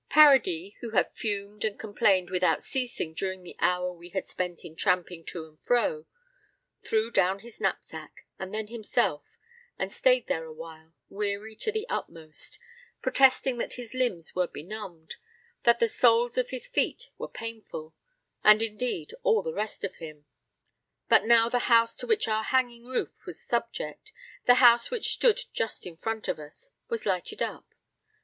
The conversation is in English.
Paradis, who had fumed and complained without ceasing during the hour we had spent in tramping to and fro, threw down his knapsack and then himself, and stayed there awhile, weary to the utmost, protesting that his limbs were benumbed, that the soles of his feet were painful, and indeed all the rest of him. But now the house to which our hanging roof was subject, the house which stood just in front of us, was lighted up.